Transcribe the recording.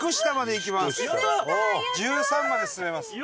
１３まで進めます。